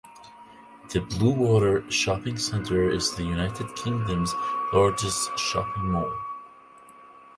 The Bluewater shopping centre is the United Kingdom's largest shopping mall.